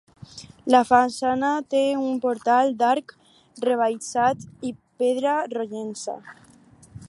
La façana té un portal d'arc rebaixat i pedra rogenca.